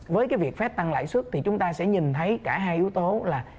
với cái việc phép tăng lãi suất thì chúng ta sẽ nhìn thấy cả hai yếu tố là